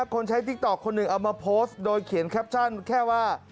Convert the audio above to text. คนใช้ติ๊กต๊อกคนหนึ่งเอามาโพสต์โดยเขียนแคปชั่นแค่ว่า